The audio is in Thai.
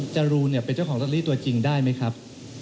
จรูเป็นเจ้าของรัสลีตัวจริงได้ไหมครับ